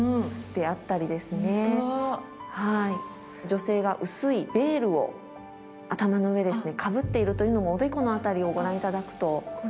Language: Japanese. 女性が薄いベールを頭の上ですねかぶっているというのもおでこの辺りをご覧頂くと。